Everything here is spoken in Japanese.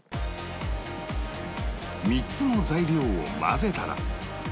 ３つの材料を混ぜたら